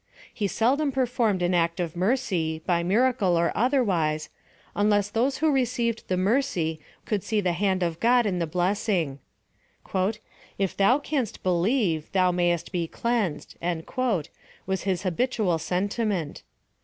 He seldom performed an act of mercy, by miracle or otherwise, unless those who received the mercy could see the hand of God in the blessing :—" If thou canst believe thou mayest be cleansed," was his habitual sentiment.